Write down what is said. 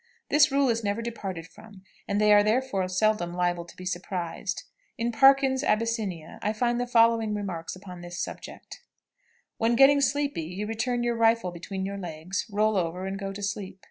This rule is never departed from, and they are therefore seldom liable to be surprised. In Parkyns's "Abyssinia," I find the following remarks upon this subject: "When getting sleepy, you return your rifle between your legs, roll over, and go to sleep.